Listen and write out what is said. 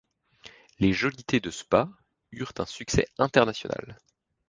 Les Jolités de Spa eurent un succès international.